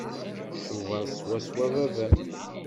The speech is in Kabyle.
Tcubaḍ swaswa baba-m.